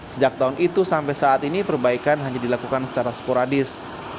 sejak tahun itu sampai saat ini perbaikan hanya dilakukan secara sporadis